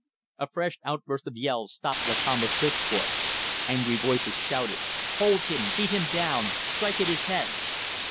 A fresh outburst of yells stopped Lakamba's discourse. Angry voices shouted: "Hold him. Beat him down. Strike at his head."